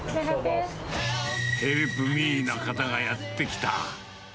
ヘルプミーな方がやって来た。